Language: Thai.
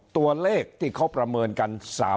ตัวเลขที่เขาประเมินกัน